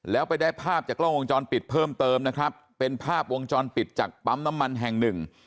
แล้วไปได้ภาพจากกล้องวงจรปิดเพิ่มเติมนะครับเป็นภาพวงจรปิดจากปั๊มน้ำมันแห่งหนึ่ง